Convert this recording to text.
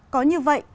có như vậy